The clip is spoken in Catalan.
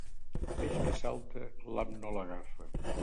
Peix que salta, l'ham no l'agafa.